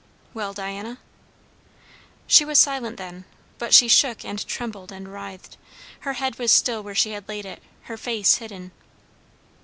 "Well, Diana?" She was silent then, but she shook and trembled and writhed. Her head was still where she had laid it; her face hidden.